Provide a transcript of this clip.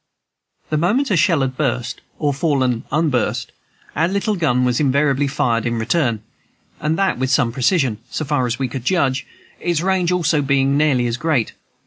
The moment a shell had burst or fallen unburst, our little gun was invariably fired in return, and that with some precision, so far as we could judge, its range also being nearly as great.